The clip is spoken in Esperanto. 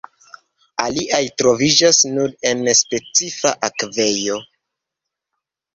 Aliaj troviĝas nur en specifa akvejo.